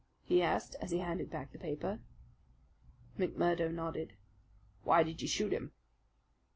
he asked, as he handed back the paper. McMurdo nodded. "Why did you shoot him?"